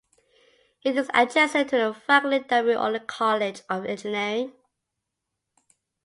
It is adjacent to the Franklin W. Olin College of Engineering.